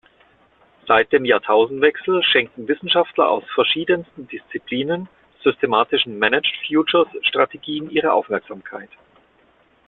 Seit dem Jahrtausendwechsel schenken Wissenschaftler aus verschiedensten Disziplinen systematischen Managed-Futures-Strategien ihre Aufmerksamkeit.